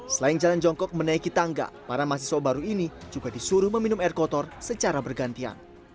selain jalan jongkok menaiki tangga para mahasiswa baru ini juga disuruh meminum air kotor secara bergantian